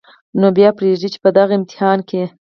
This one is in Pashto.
نو بیا پرېږدئ چې په دغه امتحان کې